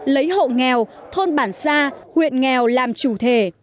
lấy hộ nghèo thôn bản xa huyện nghèo làm chủ thể